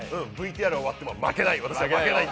ＶＴＲが終わっても私は負けない。